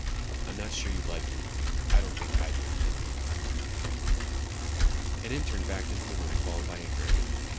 I'm not sure you'd like him. I don't think I'd even like him." An intern backed into the room followed by a gurney.